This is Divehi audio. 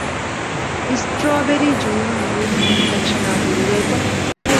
އިސްޓްރޯބެރީ ޖޫހުން ޔޫރިން އިންފެކްޝަނާ ދުރުވޭތަ؟